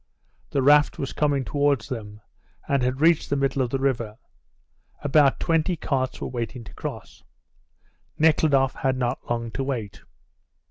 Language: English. The raft was coming towards them, and had reached the middle of the river. About twenty carts were waiting to cross. Nekhludoff had not long to wait.